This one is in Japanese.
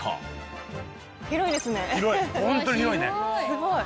すごい。